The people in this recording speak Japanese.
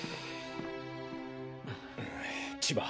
千葉